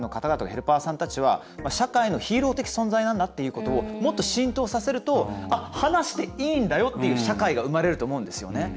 ヘルパーさんたちは社会のヒーロー的存在なんだっていうことをもっと浸透させると話していいんだよっていう社会が生まれると思うんですよね。